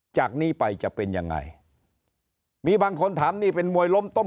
จากนี้ไปจะเป็นยังไงมีบางคนถามนี่เป็นมวยล้มต้ม